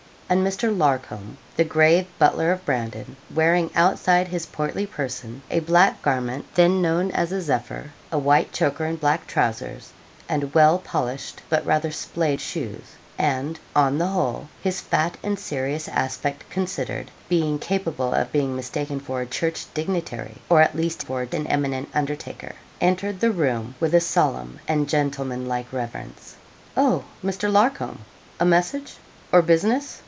And Mr. Larcom, the grave butler of Brandon, wearing outside his portly person a black garment then known as a 'zephyr,' a white choker, and black trousers, and well polished, but rather splay shoes, and, on the whole, his fat and serious aspect considered, being capable of being mistaken for a church dignitary, or at least for an eminent undertaker, entered the room with a solemn and gentlemanlike reverence. 'Oh, Mr. Larcom! a message, or business?'